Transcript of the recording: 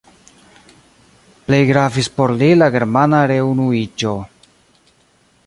Plej gravis por li la Germana reunuiĝo.